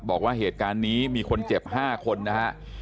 บอกว่าเหตุการณ์นี้มีคนเจ็บ๕คนนะฮะ